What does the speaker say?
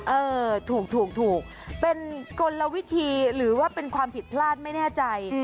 เออถูกถูกเป็นกลวิธีหรือว่าเป็นความผิดพลาดไม่แน่ใจ